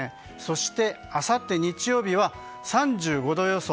そして、あさって日曜日は３５度予想。